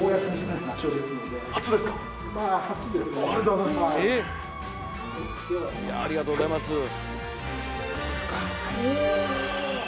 ありがとうございます。